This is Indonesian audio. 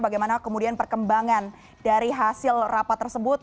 bagaimana kemudian perkembangan dari hasil rapat tersebut